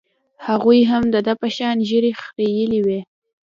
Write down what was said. هغوى هم د ده په شان ږيرې خرييلې وې.